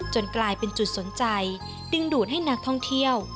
กลายเป็นจุดสนใจดึงดูดให้นักท่องเที่ยว